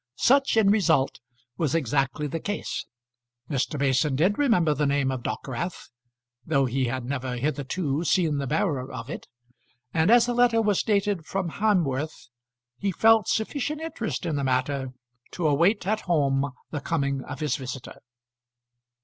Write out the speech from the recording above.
Such in result was exactly the case. Mr. Mason did remember the name of Dockwrath, though he had never hitherto seen the bearer of it; and as the letter was dated from Hamworth, he felt sufficient interest in the matter to await at home the coming of his visitor.